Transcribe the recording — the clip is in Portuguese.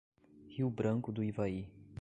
Rio Branco do Ivaí